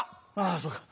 あそうか。